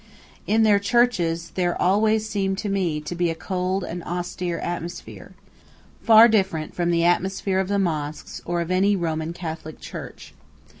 In their churches there always seems to me to be a cold and austere atmosphere, far different from the atmosphere of the mosques or of any Roman Catholic church.